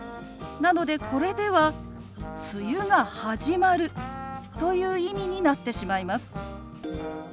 なのでこれでは「梅雨が始まる」という意味になってしまいます。